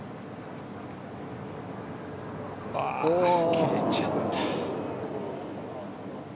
切れちゃった。